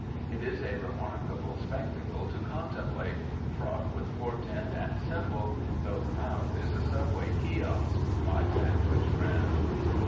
It is a remarkable spectacle to contemplate, fraught with portent and symbol, though the mouth is a subway kiosk, my Sandwich friend.